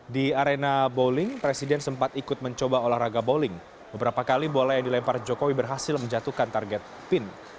di arena bowling presiden sempat ikut mencoba olahraga bowling beberapa kali bola yang dilempar jokowi berhasil menjatuhkan target pin